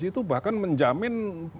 itu bahkan menjamin